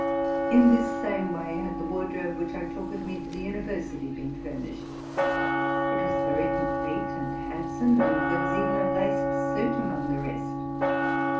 In this same way had the wardrobe which I took with me to the university been furnished: it was very complete and handsome, and there was even a laced suit amongst the rest.